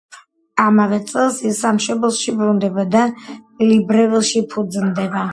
ამავე წელს ის სამშობლოში ბრუნდება და ლიბრევილში ფუძნდება.